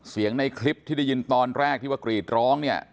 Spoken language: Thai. ในคลิปที่ได้ยินตอนแรกที่ว่ากรีดร้องเนี่ย